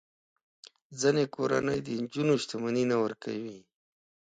د ځینو کورنیو د نجونو شتمني نه ورکوي.